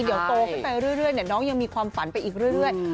เดี๋ยวโตขึ้นไปเรื่อยน้องยังมีความฝันไปอีกเรื่อย